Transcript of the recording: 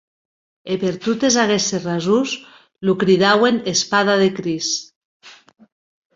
E per totes aguestes rasons lo cridauen Espada de Crist.